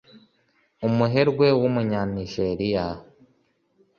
umuherwe w’Umunyanijeriya